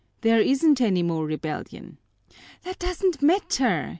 There isn't any more rebellion." "That doesn't matter!